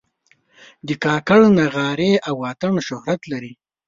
د کاکړ نغارې او اتڼ شهرت لري.